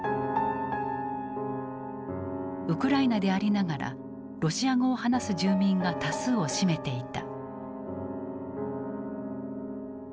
ウクライナでありながらロシア語を話す住民が多数を占めていた。